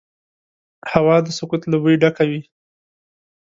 هوا د سکوت له بوی ډکه وي